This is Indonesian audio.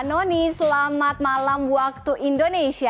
noni selamat malam waktu indonesia